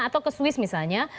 atau ke swiss misalnya